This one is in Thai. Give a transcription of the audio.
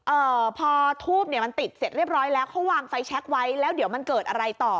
เอ่อพอทูบเนี่ยมันติดเสร็จเรียบร้อยแล้วเขาวางไฟแช็คไว้แล้วเดี๋ยวมันเกิดอะไรต่อ